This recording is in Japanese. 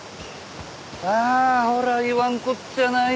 ああほら言わんこっちゃない。